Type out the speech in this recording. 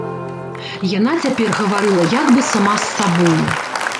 Яна цяпер гаварыла як бы сама з сабою.